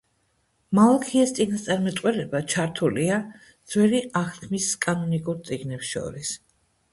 მალაქიას წინასწარმეტყველება ჩართულია ძველი აღთქმის კანონიკურ წიგნებს შორის.